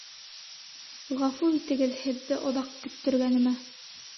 Ғәфү итегеҙ, һеҙҙе оҙаҡ көттөргәнемә.